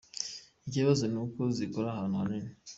Ikibazo ni uko zikora ahantu hanini.